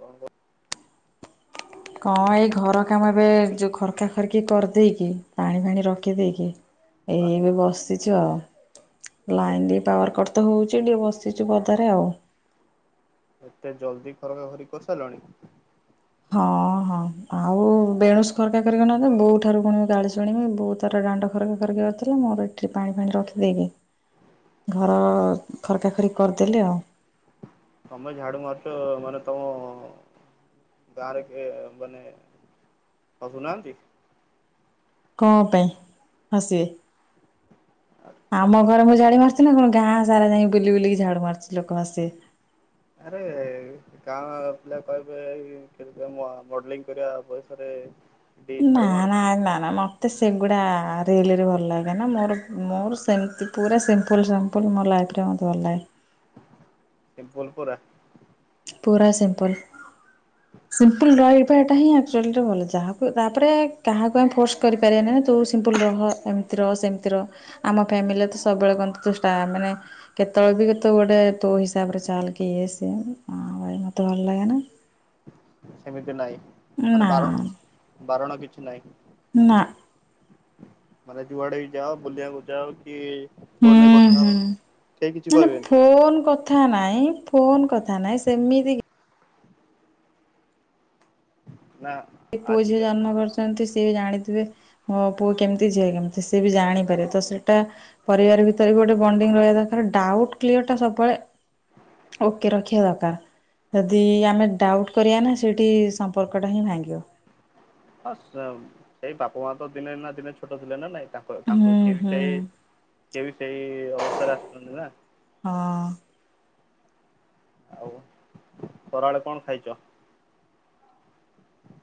କଣ କ କଣ ଏଇ ଘର କାମ ଏବେ ଯୋଉ ଖରକା ଖରକି କରିଦେଇକି ପାଣି ଫାଣି ରଖିଦେଇକି ଁ ଏଇ ବି ବସିଛୁ ଆଉ ଲାଇନ୍ ଏତେ ବି ପାୱାର କଟ ତ ହଉଛି ଟିକେ ବସିଚୁ ପଦାରେ ଆଉ। ଏତେ ଜଲ୍ଦି ଖରକା ଖରକି କରିସାରିଲଣି। ହଁ ହଁ ଆଉ। ବେଣୁସ ଖରକା କରି ନ କଲେ ବଉ ଠାରୁୁ ପୁଣି ଗାଳି ଶୁଣିବି ବୋଉ ତାର ଦାଣ୍ଡ ଖରକା କରିକି କରିଥିଲା ମୋର ଏଠି ପାଣି ଫାଣି ରଖିଦେଇକି ଘର ଖରକାଖରିିକ କରିଦେଲି ଆଉ। ତତମେ ଝାଡୁ ମାରୁଛ ମାନେ ତୋମ ଗାଁରେ କେ ମାନେ ହସୁ ନାହାନ୍ତି? କଣ ପାଇଁ ହସିବେ? ଆମ ଘରେ ମୁଁ ଝାଡୁ ମାରୁ ଛି ନା କଣ ଗାଁ ସାରା ଯାଇ ବୁଲି ବୁଲିକି ଝାଡୁ ମାରୁଛି ଲୋକ ହସିବେ। ଆରେ ଗାଁ ପିଲା କହିବେ କି କେମତିଆ ମ-ମଡଲିଂ କରିବା ବୟସରେ ଏଠି ନା, ଝାଡୁ ମାରୁଛ ନା, ଆ, ନା, ନା ମୋ ତେ ସେଗୁଡ଼ା ରିଲିରେ ଭଲ ଲାଗେନା ମୋର ମୋର ସେମତି ପୁରା ସିମ୍ପଲ୍ ସି ମ୍ପୁଲ ମୋ ଲାଇଫ୍ ରେ ମୋତେ ଭଲ ଲାଗେ। ସିମ୍ପୁଲ୍ ପୁରା? ପୁରା ସିମ୍ପୁଲ୍। ସିମ୍ପୁଲ୍ ରହିବା ଟା ହିଁ ଆକ୍ଚଲି ରେ ଭଲ। ଯାହାକୁ ତାପରେ କାହାକୁ ଆମେ ଫୋର୍ସ କରି ପାରିବା ନାହିଁ ତୁ ସିମ୍ପୁଲ ରହ, ଏମତି ର ସେମତି ର। ଆମ ଫ୍ୟାମିଲିରେ ତ ସବୁବେଳେ କହନ୍ତି ତୁ ଷ୍ଟା ମାନେ କେତେବେଳେ ବି କେ ତୁ ଗୋଟେ ତୋ ହିସାବ ରେ ଚାଲ କି ଇଏ ସିଏ ନା ଭାଇ ମୋତେ ଭଲ ଲାଗେ ନା। ସେମିତି ନାଇ, ମାନେ ନା ବାର ବାରଣ କିଛି ନାଇ। ନା। ମାନେ ଯୁଆଡେ ବି ଯାଅ ବୁଲିବାକୁ ଯାଅ କି ଫୋନ୍ ରେ ହୁଁ କଥା ହୁଁ ହୋ କେହି କିଛି କହିବେନି? ଥା ନାଇଁ, ଫୋନ୍ କଥା ନାଇଁ ସେମିତି କି ନା ଏ ପୁଅ ଝିଅ ଆଜିକା ଜନ୍ମ କର ଚନ୍ତି, ସିଏ ବି ଜାଣିଥିବେ ମୋ ପୁଅ କେମିତି, ଝିଅ କେମିତି, ସିଏ ବି ଜାଣିପାରିବେ ତ ସେଟା ପରିବାର ଭିତରେ ବି ଗୋଟେ ବଣ୍ଡିଙ୍ଗ ରହିବା ଦରକାର। ଡାଉଟ୍ କ୍ଲିୟର୍ ଟା ସବୁବେଳେ ଓକେ ରଖିବା ଦରକାର। ଯଦି ଆମେ ଡାଉଟ୍ କରିବା ନା ସେଇଠି ସମ୍ପର୍କଟା ହିଁ ଭାଙ୍ଗିବ। ହଁ ସେ ସେଇ ବାପା ମା ତ ଦିନେ ନା ଦିନେ ଛୋଟ ଥିଲେ ନା ନାଇଁ ତା ଙ୍କ ତାଙ୍କୁ ହୁଁ ସିଏ ବି ହୁଁ ସେଇ ସିଏ ବି ସେଇ ଅବସ୍ଥାରେ ଆସଛନ୍ତି ନା। ହଁ। ଆଉ ଖରାବେଳେ କଣ ଖାଇଚ?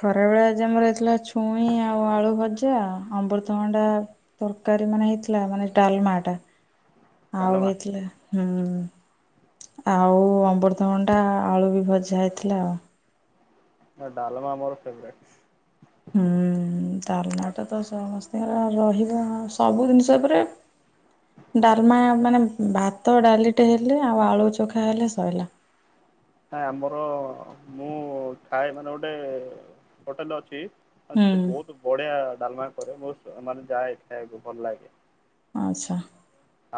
ଖରା ବେଳେ ଆଜି ଆମର ହେଇଥିଲା ଛୁଇଁ ଆଉ ଆଳୁ ଭଜା। ଅମୃତଭଣ୍ଡା ତରକାରୀ ମାନେ ହେଇଥିଲା ମାନେ ଡାଲମା ଟା। ହଁ ଆଉ ହେଇଥିଲା ହୁଁ, ଆଉ ଅବୃତଭଣ୍ଡା ଆଳୁ ବି ଭଜା ହେଇଥିଲା। ନା ଡାଲମା ମୋର ଫେବରେଟ୍। ହୁଁ, ତାଲମା ଟ ତ ସମସ୍ତିଙ୍କର ରହିବ, ସବୁ ଜିନିଷ ଉପରେ ଡାଲମା ମାନେ ଭାତ ଡାଲିଟେ ହେଲେ ଆଉ ଆଳୁ ଚଖା ହେଲେ ଶୋଇଲା। ହେଁ ଆମର ମୁଁ ଖାଏ ମାନେ ଗୋଟେ ହୋଟେଲ୍ ଅଛି। ଆଉ ହୁଁ ସେଠି ବହୁତ ବଢିଆ ଡାଲମା କରେ। ବହୁତ ମାନେ ଯାଏ ଖାଇଆକୁ ଭଲ ଲାଗେ। ଆଚ୍ଛା।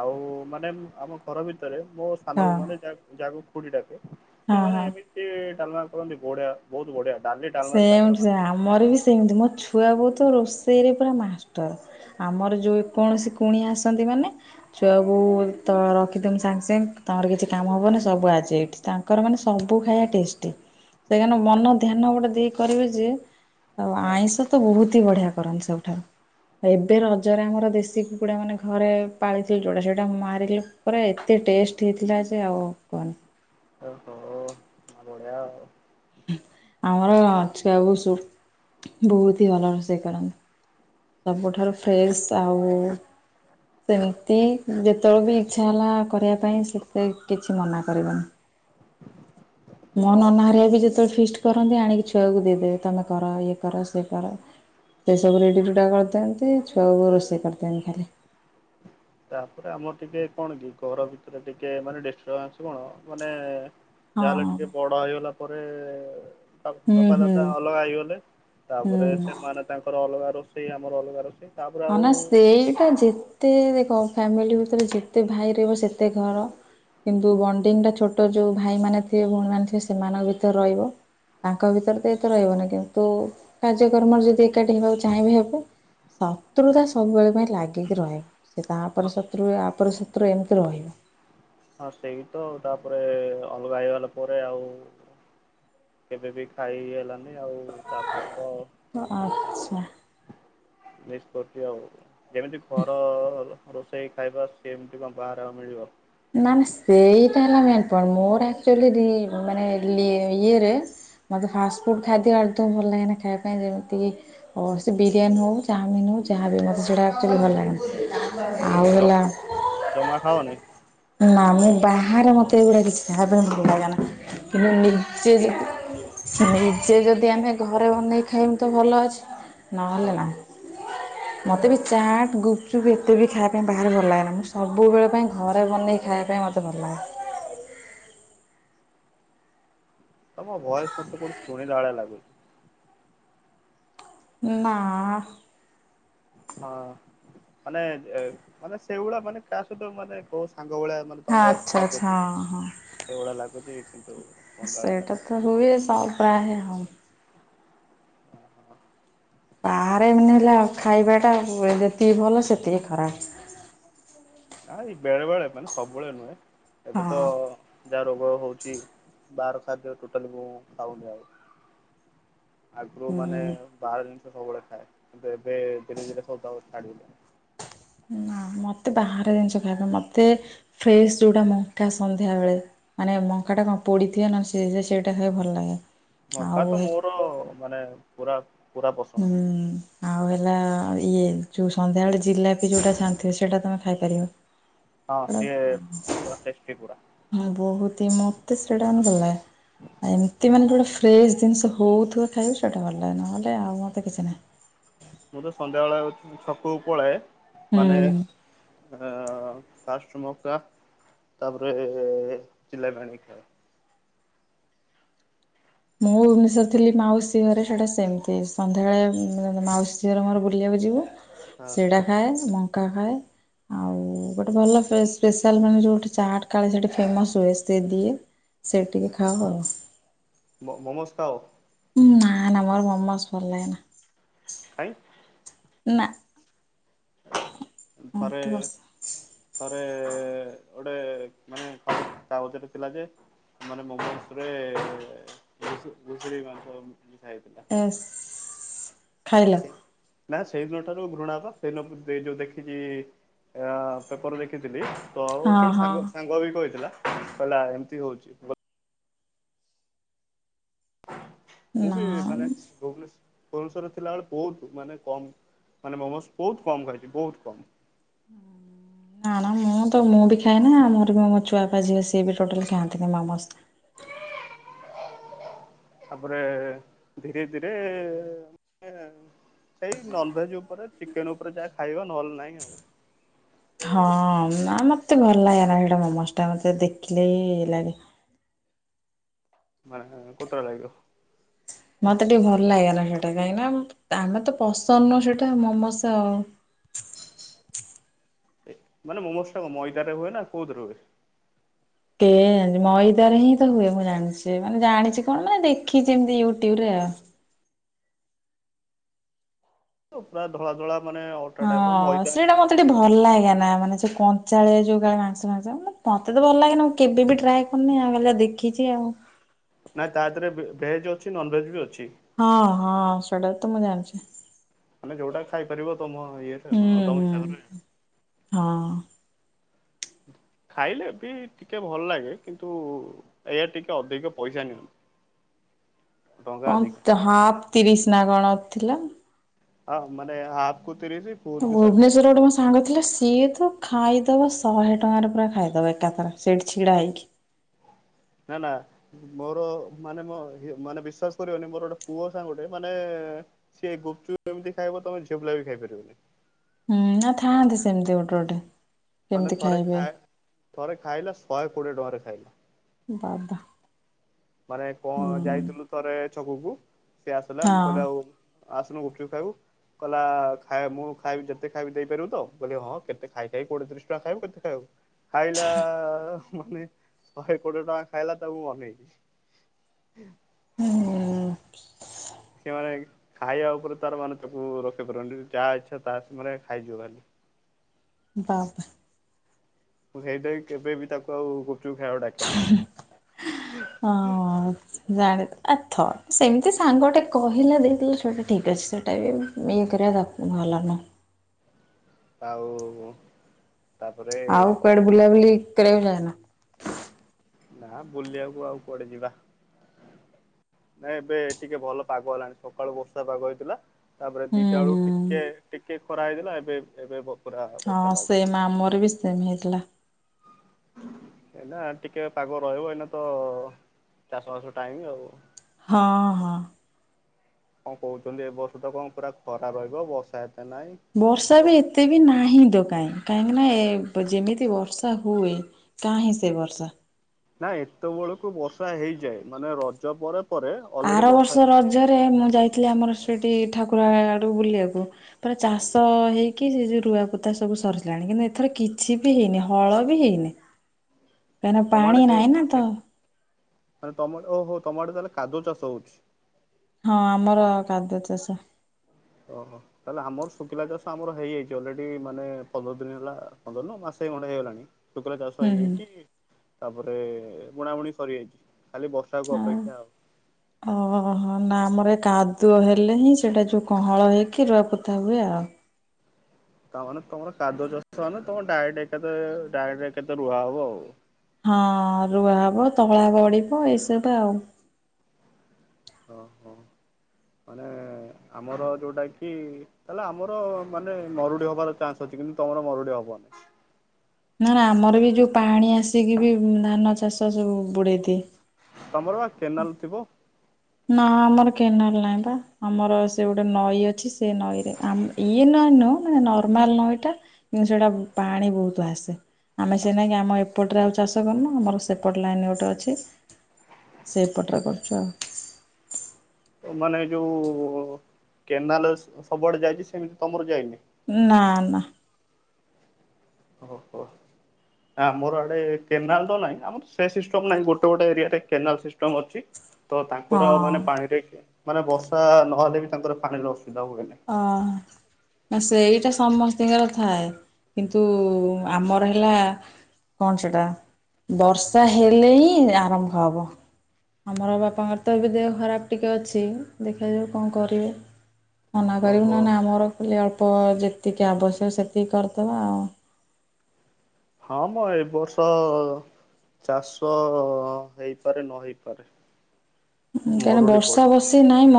ଆଉ ମାନେ ଉଁ, ଆମ ଘର ଭିତରେ ମୋ ସାନ ହଁ ବୋଉ ମାନେ ଯା ଯାହାକୁ ଖୁଡି ଡାକେ। ସିଏ ହଁ ମାନେ ହଁ। ଏମିତି ଡାଲମା କରନ୍ତି ବଢିଆ ବହୁତ ବଢିଆ। ଡାଲି ଡାଲମାରେ ତାଙ୍କର ସେମତି ସେ ମାନେ ଆମର ବି ସେମତି ମୋ ଛୁଆ ବୋଉ ତ ରୋଷେଇରେ ପୁରା ମାଷ୍ଟର। ଆମର ଯୋଉ କୌଣସି କୁଣିଆ ଆସନ୍ତି ମାନେ ଛୁଆବୋଉ ତ ରଖିଦିଅନ୍ ସାଙ୍ଗ ସାଙ୍ଗେ ତୋମର କିଛି କାମ ହବନ ସବୁ ଆଜି ଏଇଠି। ତାଙ୍କର ମାନେ ସବୁ ଖାଇବା ଟେଷ୍ଟି। ସେ କାନ ମନ ଧ୍ୟାନ ଗୋଟେ ଦେଇ କରିବେ ଯେ ଆଉ ହଁ ଆଇଁଷ ତ ବହୁତ ହି ବଢିଆ କରନ୍ତି ସୁବୁଠାରୁ। ଏବେ ରଜରେ ଆମର ଦେଶୀ କୁକୁଡା ମାନେ ଘରେ ପାଳିଥିଲୁ ଯୋଉଟା ସେଟା ମାରିଲୁ। ପରା ଏତେ ଟେଷ୍ଟ ହେଇଥିଲା ଯେ ଆଉ କୁହନି। ଓହୋ! ହଁ ବଢିଆ ଆଉ। ଆମର ଛୁଆ ବୋଉ ସୁଟ ବହୁତ୍ ହି ଭଲ ରୋଷେଇ କରନ୍ତି। ସବୁଠାରୁ ଫ୍ରେସ ଆଉ ସେମିତି ଯେତେବେଳେ ବି ଇଚ୍ଛା ହେଲା କରିବା ପାଇଁ ସେତେ କିଛି ମନା କରିବନି। ମୋ ତାପରେ ନନାହରିଆ ବି ଯେତେବେଳେ ଫିଷ୍ଟ୍ କରନ୍ତି ଆଣିକି ଛୁଆକୁ ଦେଇଦେବେ ତମେ କର ଇଏ କର ସେ କର ସେସବୁ ରେଡ଼ି ରୁଡ଼ା କରିଥାିଅନ୍ତି ଛୁଆବୋଉ ରୋଷଇ କରିଥାଅନ୍ତି ଖାଲି ତାପରେ ଆମର ଟିକେ କଣ କି ଘର ଭିତରେ ଟିକେ ମାନେ ଡିଷ୍ଟର୍ବାନ୍ସ କଣ ମାନେ? ହଁ ଯାହାହେଲେ ଟିକେ ବଡ ହେଇଗଲା ପରେ ହୁଁ ବାପା ହୁଁ ଦାଦା ଅଲଗା ହେଇଗଲେ ତାପରେ ହୁଁ। ସେମାନେ ତାଙ୍କର ଅଲଗା ରୋଷେଇ ଆମର ଅଲଗା ରୋଷେଇ। ତାପରେ ହଁ ଆଉ ନା ସେଇଟା ଯେତେ ଫ୍ୟାମିଲି ହଉଥିଲା ଯେତେ ଭାଇ ରହିବ ସେତେ ଘର। କିନ୍ତୁ ବଣ୍ଡିଙ୍ଗ ଟା ଛୋଟ ଯୋଉ ଭାଇ ମାନେ ଥିବେ ଭଉଣୀ ମାନେ ଥିବେ ସେମାନଙ୍କ ଭିତରେ ରହିବ। ତାଙ୍କ ଭିତରେ ତ ଏତ ରହିବନି କିନ୍ତୁ କାର୍ଯ୍ୟକ୍ରମରେ ଯଦି ଏକାଠି ହେବାକୁ ଚାହିଁବେ ହେବେ। ହଁ। ଶତ୍ରୁତା ସବୁବେଳେ ପାଇଁ ଲାଗିକି ରହେ। ସେ ହଁ ତାଉପରେ ଶତ୍ରୁ ହୁଏ ଆ ଉପରେ ଶତ୍ରୁ ଏମିତି ରହିବ। ହଁ ସେଇ ତ ଆଉ ତାପରେ ଅଲଗା ହେଇଗଲା ପରେ ଆଉ କେବେ ବି ଖାଇ ହେଲାନି ଆଉ ତାପରେ ତ ମାନେ ଆଚ୍ଛା। ହେଁ ମିସ୍ କରୁଚି ଆଉ ଯେମିତି ଘର ରୋଷେଇ ଖାଇବା ସେିମିତି କଣ ବାହାରେ ଆଉ ମିଳିବ? ମାନେ ସେଇଟା ହେଲା ମେନ୍ ପଏଣ୍ଟ୍। ମୋର ଆକ୍ଚୁଆଲି ରି ମାନେ ଲି ଇଏରେ ମତେ ଫାଷ୍ଟଫୁଡ଼୍ ଖାଦ୍ୟ ଆର୍ଦୌ ଭଲ ଲାଗେନା ଖାଇବା ପାଇଁ ଯେମିତି ଓ ସେ ବିରିୟାନୀ ହଉ ଚାଉମିିନ ହଉ ଯାହାବି ହଉ ମୋତେ ସେଟା ସେଇଯୋଗୁଁ ଭଲ ଲାଗେନା। ଆଉ ହେଲା ଜମା ଖାଅନି? ନା ମୁଁ ବାହାରେ ମତେ ଏଗୁଡା କିଛି ଯାହାବି ହେଲେ ଭଲ ଲାଗେନା। କିନ୍ତୁ ନିଜେ ଯେଦି ନିଜେ ଯଦି ଆମେ ଘରେ ବନେଇ ଖାଇମୁ ତ ଭଲ ଅଛି। ହଁ ନହେଲେ ହଁ। ନାହିଁ। ମୋତେ ବି ଚାଟ୍ ଗୁପଚୁପ୍ ଏତେ ବି ଖାଇବା ପାଇଁ ବାହାରେ ଭଲ ଲାଗେନା। ମୁଁ ସବୁବେଳେ ପାଇଁ ଘରେ ବନେଇ ଖାଇବା ପାଇଁ ମତେ ଭଲଲାଗେ। ତମ ଭଏସ୍ ମତେ କୋଉଠି ଶୁଣିଲା ଭଳିଆ ଲାଗୁଚି। ନା। ହଁ ମାନେ ମାନେ ସେଇଭଳିଆ ମାନେ କାହା ସହିତ ମାନେ କୋଉ ସାଙ୍ଗ ଭଳିଆ [unintelligible] ତମ ହଁ ବଏସ୍ ଆଚ୍ଛା ଆଚ୍ଛା ଲାଗୁଚି। ହଁ ହଁ ସେଇଭଳିଆ ଲାଗୁଚି। କିନ୍ତୁ ଶୁଣିଲା ଭଳିଆ ସେଇଟା ଲାଗୁଛି। ତ ହୁଏ ସାଉ ବାହାରେ ହଁ। ବାହାରେ ମାନେ ହେଲା ଖାଇବାଟା ଯେତିକି ଭଲ ସେତିକି ଖରାପ୍। ନା ଏଇ ବେଳେ ବେଳେ ମାନେ ସବୁବେଳେ ନୁହେଁ। ଏବେ ତ ହଁ। ଯାହା ରୋଗ ହଉଚି ବାହାର ଖାଦ୍ୟ ଟୋଟାଲି ମୁଁ ଖାଉନି ଆଉ। ଆଗରୁ ମାନେ ହୁଁ ବାହାର ଜିନିଷ ସବୁବେଳେ ଖାଏ। କିନ୍ତୁ ଏବେ ଧୀରେ ଧୀରେ ସବୁ ତକ ଛାଡିଦେଲି। ନା ମତେ ବାହାରେ ଜିନିଷ ଖାଇବା ମତେ ଫ୍ରେଶ୍ ଯୋଉଟା ମଙ୍କା ସନ୍ଧ୍ୟାବେଳେ। ମାନେ ମଙ୍କା ଟା କଣ ପୋଡିଥିବ ନହେଲେ ସେ ଯେ ସେଇଟା ଖାଇବା ଭଲ ଲାଗେ। ଆଉ ମକା ତ ହୁଁ ମୋର ମାନେ ପୁରା ପୁରା ହୁଁ। ପସନ୍ଦ। ଆଉ ହେଲା ଇଏ ଯୋଉ ସନ୍ଧ୍ୟାବେଳେ ଜିଲାପି ଯୋଉଟା ଛାଣି ଥିବେ। ସେଇଟା ତମେ ଖାଇପାରିବ। [unintelligible] ପୁରା ଟେଷ୍ଟି ପୁରା। ମୁଁ ବହୁତ ହି ମୋତେ ସେଇଟା ଭଲଲାଗେ। ଏମିତି ମାନେ ଯୋଉଟା ଫ୍ରେଶ୍ ଜିନିଷ ହଉଥିବ ଖାଇବାକୁ ସେଇଟା ଭଲ ଲାଗେ। ନହେଲେ ଆଉ ମୋତେ କିଛି ନାହିଁ। ମୁଁ ତ ସନ୍ଧ୍ୟାବେଳେ ଛକକୁ ପଳାଏ। ମାନେ ହୁଁ। ଅଁ ଫାଷ୍ଟ ମକା। ତାପରେ ଜିଲାପି ଆଣିକି ଖାଏ। ମୁଁ ନିଷରେ ଥିଲି ମାଉସୀ ଘରେ ସେଟା ସେମିତି ସନ୍ଧ୍ୟାବେଳେ ମୁଁ ମାଉସୀ ଝିଅର ମୋର ବୁଲିବାକୁ ଯିବୁ। ଖାଏ। ସେଡ଼ା ଖାଏ ମଙ୍କା ଖାଏ। ଆଉ ଗୋଟେ ଭଲ ପେସ ସ୍ପେଶାଲ୍ ମାନେ ଯୋଉଠି ଚାଟ୍ କାଳେ ସେଇଠି ଫେମସ୍ ହୁଏ ସେ ଦିଏ। ସେଇଟି ଟିକିଏ ଖାଉ ଆଉ। ମ ମମସ ଖାଅ। ନାଁ ନାଁ ମୋର ମମୋସ ଭଲ ଲାଗେନା। କାଇଁ ନାଁ। ଥରେ ମତେ ବସ ଥରେ ଗୋଟେ ମାନେ କାଗଜରେ ଥିଲା ଯେ ମାନେ ମୋମସରେ ଘୁଷୁରୀ ମାଂସ ମିଶା ହେଇଥିଲା। ଏସ ଖାଇଲ। ନା ସେଇଦିନ ଠାରୁ ଘୃଣା ପା ସେଦିନ ଯୋଉ ଦେଖିକି। ଏଅଁ ପେପର ଦେଖିଥିଲି। ତୋ ହଁ ଜଣେ ହଁ। ସାଙ୍ଗ ସାଙ୍ଗ ହେବି କହିଥିଲା। କହିଲା ଏମିତି ହଉଛି। ମୁଁ ମୁଁ ନା ବି ମାନେ ନା ଭୁବନେଶ ଭୁବନେଶ୍ଵରରେ ଥିଲାବେଳେ ବହୁତ ମାନେ କମ୍ ମାନେ ମୋମୋସ୍ ବହୁତ କମ୍ ଖାଇଛି ବହୁତ କମ୍। ନା ନା ମୁଁ ତ ମୁଁ ବି ଖାଏନି ମୋର ବି ମୋ ଛୁଆପିଲା ଝିଅ ସିଏ ବି ଟୋଟାଲ ଖାଆନ୍ତିନି ମୋମୋସ। [inaudible] ତାପରେ ଧୀରେ ଧୀରେ ଏଁ ସେଇ ନନଭେଜ ଉପରେ ଚିକେନ ଉପରେ ଯାହା ଖାଇବା। ନହେଲେ ନାହିଁ ଆଉ। ହଁ ନା ମତେ ଭଲ ଲାଗେନା ହେଟା ମୋମୋସ ଟା ମତେ ଦେଖିଲେ ଇଏଲାଗେ। ମାନେ କୋତରା ଲାଗିବ। ମତେ ଟିକେ ଭଲ ଲାଗେନ ସେଇଟା କାହିଁକିନା ଆମେ ତ ପସନ୍ଦ ନ ସେଇଟା ମୋମୋସ ଆଉ। ମାନେ ମୋମୋସ ଟା କଣ ମଇଦା ରେ ହୁଏ ନା କୋଉଦିରେ ହୁଏ? କେ ଜାଣିଛି ମଇଦାରେ ହିଁ ତ ହୁଏ ମୁଁ ଜାଣିଛି ମାନେ ଜାଣିଛି କଣ ମାନେ ଦେଖିଛି ଏମିତି ୟୁଟ୍ୟୁବ ରେ ଆଉ। ପୁରା ଧଳା ଧଳା ମାନେ ଅ। ହଁ ସେଇଟା ମତେ ଟିକେ ଭଲ ଲାଗେ ନା ମାନେ ଯଉ କଞ୍ଚାଳେ ଯୋଉ କାଳେ ମାଂସ ଫାଂସ ମାନେ ମତେ ତ ଭଲ ଲାଗେ ନା ମୁଁ କେବେ ବି ଟ୍ରାଏ ଆନି ଆ ଗଲେ ଦେଖିଛି ଆଉ। ନାହିଁ ତାଦେହରେ ଭେଜ୍ ଅଛି ନନଭେଜ୍ ବି ଅଛି। ହଁ ହଁ ସେଇଟା ତ ମୁଁ ଜାଣିଛି। ମାନେ ଯୋଉଟା ଖାଇପାରିବ ତମ ଇଏ। ହୁଁ ହୁଁ ହଁ ଖାଇଲେ ବି ଟିକେ ଭଲ ଲାଗେ କିନ୍ତୁ ଏଇଆ ଟିକେ ଅଧିକ ପଇସା ନିଅନ୍ତୁ। କଣ ହାଫ୍ ତିରିଶ ନା କଣ ଥିଲା। ହଁ ମାନେ ହାପ କୁତିରିଶ। ଭୁବନେଶ୍ୱର ରେ ଗୋଟେ ମୋ ସାଙ୍ଗ ଥିଲା ସିଏ ତ ଖାଇଦବା ଶହେ ଟଙ୍କାରେ ପୁରା ଖାଇଦବ ଏକାଥର ସେଇଠି ଛିଡା ହେଇକି। ନା ନା! ମୋର ମାନେ ମ ମାନେ ବିଶ୍ୱାସ କରିବନି ମୋର ଗୋଟେ ପୁଅ ସାଙ୍ଗୋଟେ ମାନେ ସିଏ ଗୁପଚୁପ ଏମିତି ଖାଇବ ତମ ଝିଅ ପିଲା ବି ଖାଇପାରିବନି। ହୁଁ ନା ଥାଆନ୍ତି ସେମିତି ଗୋଟେ ଗୋଟେ। ମାନେ କେମିତି ଥରେ ଖାଇବେ ଖାଇ ଥରେ ଖାଇଲା ଶହେ କୋଡ଼ିଏ ଟଙ୍କାରେ ଖାଇଲା। ବାବା। ମାନେ କଣ ହୁଁ ଯାଇଥିଲୁ ଥରେ ଛକକୁ ସେିଏ ଆସିଲା ହଁ ମୁଁ କହିଲି ଆଉ ଆସନୁ ଗୁପଚୁପ ଖାଇବୁ। କହ ଖ ମୁଁ ଖାଇବି ଯେତେ ଖାଇବି ଦେଇପାରିବି ତ କହିଲେ ହଁ କେତେ ଖାଇ ଖାଇବ କୋଟେ ତିଶ ଟଙ୍କା ଖାଇବ କେତେ ଖାଇବକୁ। ଖାଇଲା ମାନେ ଶହେ କୋଡ଼ିଏ ଟଙ୍କା ଖାଇଲା ତା ମୁଁ ମନେଇଛିି। ହୁଁ। [inaudible] ହୁଁ। [inaudible] ସେମାନୋନ ଖାଇବା ଉପରେ ତାର ମାନେ ତାକୁ ରଖି ପାରୁନି ଯାହା ଇଛା ତା ସେ ମାନେ ଖାଇଯିବ ଖାଲି। ବା ବା। ସେଇଟା କେବେ ବିି ତାକୁ ଆଉ ଗୁପଚୁପ ଖାଇବାକୁ ଡାକି ହଁ। ଜାଣ ଆଥ ସେମିତି ସାଙ୍ଗ ଟେ କହିଲା ଦେଇଦେଲୁ ସେଇଟା ଠିକ ଅଛି ସେଇଟା ବି ଇଏ କରିବା ଭଲ ନୁହଁ। ଆଉ କଣ? ଆଉ କୁଆଡେ ବୁଲାବୁଲି କରିବାକୁ ଯାଇନା? ନା ବୁଲିବାକୁ ଆଉ କୁଆଡେ ଯିବା। ନାଇଁ ଏବେ ଟିକେ ଭଲ ପାଗ ହେଲାଣି ସକାଳୁ ବର୍ଷା ପାଗ ହେଇଥିଲା। ତାପରେ ହୁଁ ଦିଟା ବେଳୁ ହୁଁ ଟିକେ ଟିକେ ଖରା ହେଇଲା ଏବେ ଏବେ ପ ହଁ ସେମ ଆମର ବି ସେମ ହେଇଥିଲା। ଏଇନା ଟିକେ ପାଗ ରହିବ ଏଇନା ତ ଚାଷ ବାସ ଟାଇମ ଆଉ। ହଁ ହଁ। କଣ କହୁଛନ୍ତି ଏ ବର୍ଷ ତ କଣ ପୁରା ଖରା ରହିବ ବର୍ଷା ଏତେ ନାଇଁ। ବର୍ଷା ବି ଏତେ ବି ନାହିଁ ତ କାଇଁ କାହିଁକିନା ଏ ଯେମିତି ବର୍ଷା ହୁଏ କାହିିଁ ସେ ବର୍ଷା। ନା ଏତେବେଳକୁ ବର୍ଷା ହେଇଯାଏ ମାନେ ରଜ ପରେ ପରେ ଅଲରେଡ଼ି ବର୍ଷା ହେଇଯାଏ। ଏବେ ମୁଁ ଯାଇଥିଲି ଆମର ସେଇଠି ଠାକୁର ଆଡୁ ବୁଲିବାକୁ। ତାଙ୍କର ଚାଷ ହେଇକି ସେ ଯଉ ରୁଆ ପୋତା ସବୁ ସରିଲାଣି କିନ୍ତୁ ଏଥର କିଛି ବି ହେଇନି ହଳ ବି ହେଇନି। [inaudible] କାହିଁକିନା ପାଣି ତମଆଡେ ହେ ନାହିଁ ନା ତ ମାନେ ତମ ଓହୋ ତମଆଡେ ତାହାଲେ କାଦୁଅ ଚାଷ ହଉଛି। ହଁ ଆମର କାଦୁଅ ଚାଷ। ଓହୋ। ତାହେଲେ ଆମର ଶୁଖିଲା ଚାଷ ଆମର ହେଇଯାଇଛି ଅଲରେଡି ମାନେ ପନ୍ଦର ଦିନ ହେଲା ପନ୍ଦର ନୁହ ମାସେ ଖଣ୍ଡେ ହେଇଗଲାଣି। ଶୁକିଲା ଚାଷ ହୁଁ ହୁଁ ହେଇଯାଇଛି ତାପରେ ବୁଣା ବୁଣି ସରିଯାଇଛି ଖାଲି ବର୍ଷ ହଁ ଓହୋ ନା ଆମର କାଦୁଅ ହେଲେ ହିଁ ସେଇଟା ଯୋଉ କଣ ହଳ ହେଇକି ରୁଆ ପୋତା ହୁଏ ଆଉ। ତାମାନେ ତମର କାଦୁ ଚାଷମାନେ ତମର ଡାଇରେକଟ ଡାଇରେକ୍ଟ ଏକା ଥରେ ରୁଆ ହବ ଆଉ। ହଁ ରୁଆ ହବ ତଳା ବଢିବ ଏଇସବୁ ଆଉ। ଓହୋ ମାନେ ଆମର ଯୋଉଁଟାକି ତାହେଲେ ଆମର ମାନେ ମରୁଡି ହବାର ଚାନ୍ସ ଅଛି କିନ୍ତୁ ତମର ମରୁଡି ହବନି। ନା ନା ଆମର ବି ଯୋଉ ପାଣି ଆସିକି ବି ଧାନ ଚାଷ ସବୁ ବୁଡେଇ ଦିଏ। ତମର ବା କେନାଲ ଥିବ। ନା ଆମର କେନାଲ ନାହିଁ ପା ଆମର ସେ ଗୋଟେ ନଈ ଅଛି ସେ ନଈରେ ଆ ଇଏ ନଇ ନୁହଁ ମାନେ ନର୍ମାଲ ନଇଟା କିନ୍ତୁ ସେଇଟା ପାଣି ବହୁତ ଆସେ। ଆମେ ସେଇନାକି ଆମ ଏପଟରେ ଆଉ ଚାଷ କରୁନୁ ଆମର ସେପଟ ଲାଇନ୍ ଗୋଟେ ଅଛି। ସେଇପଟରେ କରୁଛୁ ଆଉ। ମାନେ ଯୋଉ କେନାଲ ସବୁଆଡେ ଯାଇଛି ସେମିତି ତମର ଯାଇନି। ନା ନା। ଓ ହୋ। ଆମର ଆଡେ କେନାଲ ତ ନାହିଁ ଆମର ସେ ସିଷ୍ଟମ ନାହିଁ ଗୋଟେ ଗୋଟେ ଏରିଆରେ କେନାଲ ସିଷ୍ଟମ ଅଛି। ତ ତାଙ୍କର ମାନେ ହଁ। ପାଣିରେ ମାନେ ବର୍ଷା ନହେଲେ ବି ତାଙ୍କର ପାଣିର ଅସୁବିଧା ହୁଏନି। ହଁ। ନା ସେଇଟା ସମସ୍ତିଙ୍କର ଥାଏ କିନ୍ତୁ ଆମର ହେଲା କଣ ସେଟା ବର୍ଷା ହେଲେ ହିଁ ଆରମ୍ଭ ହବ। ଆମର ବାପାଙ୍କର ତ ଏବେ ଦେହ ଖରାପ ଟିକେ ଅଛି ଦେଖାଯାଉ କଣ କରିବେ। ମନା କରିବୁ ଓହୋ। ନହେନେ ଆମର ଖାଲି ଅଳ୍ପ ଯେତିକି ଆବଶ୍ୟକ ସେତିକି କରିଦବା ଆଉ। ହଁ ମ ଏ ବର୍ଷ ଚାଷ ହେଇପାରେ ନ ହେଇପାରେ। କାହିଁକି ନା ମରୁଡି ବର୍ଷା ପଡିପାରେ। ବର୍ସି ନାଇଁ ମ